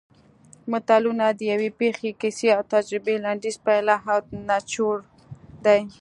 متلونه د یوې پېښې کیسې او تجربې لنډیز پایله او نچوړ دی